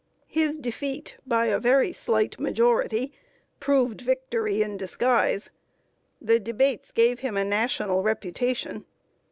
His defeat, by a very slight majority, proved victory in disguise. The debates gave him a National reputation.